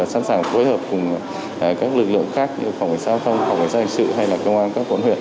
sẵn sàng phối hợp cùng các lực lượng khác như phòng hành xã phòng phòng hành xã hành sự hay là công an các quận huyện